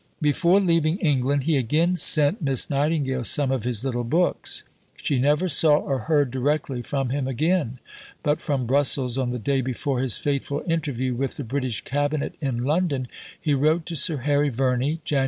Before leaving England, he again sent Miss Nightingale some of his little books. She never saw or heard directly from him again; but from Brussels, on the day before his fateful interview with the British Cabinet in London, he wrote to Sir Harry Verney (Jan.